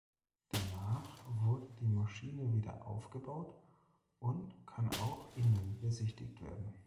Danach wurde die Maschine wieder aufgebaut und kann auch innen besichtigt werden.